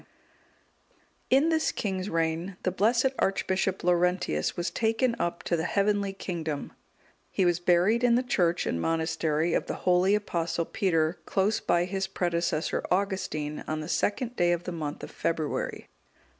D.] In this king's reign, the blessed Archbishop Laurentius was taken up to the heavenly kingdom: he was buried in the church and monastery of the holy Apostle Peter, close by his predecessor Augustine, on the 2nd day of the month of February.